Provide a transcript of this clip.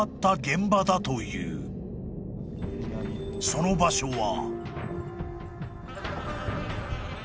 ［その場所は］